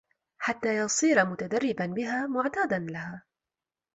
حَتَّى يَصِيرَ مُتَدَرِّبًا بِهَا مُعْتَادًا لَهَا